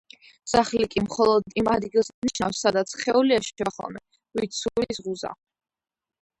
სახლი კი მხოლოდ იმ ადგილს ნიშნავს, სადაც სხეული ეშვება ხოლმე, ვით სულის ღუზა.